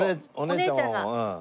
お姉ちゃんが。